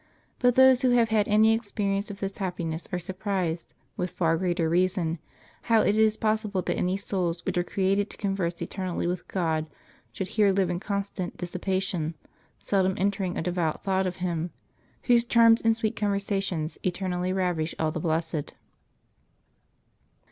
But those who have had any experience of this happiness are surprised, with far greater reason, how it is possible that any souls which are created to converse eternally with God should here live in constant dissipation, seldom entertaining a devout thought of Him Whose charms and sweet conversation eternally ravish all the blessed.